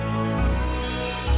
tidak ada yang bisa diberikan kekuatan